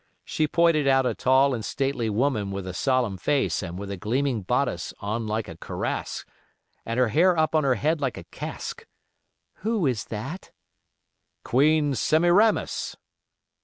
She pointed out a tall and stately woman with a solemn face, and with a gleaming bodice on like a cuirass, and her hair up on her head like a casque. "Who is that?" "Queen Semiramis."